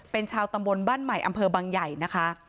เป็นชาวตำบลบ้านใหม่อำเภอบังใหญ่นะคะ